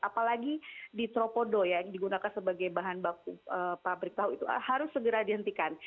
apalagi di tropodo yang digunakan sebagai bahan baku pabrik tahu itu harus segera dihentikan